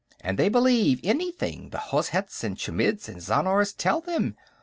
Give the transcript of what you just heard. And they believe anything the Hozhets and Chmidds and Zhannars tell them.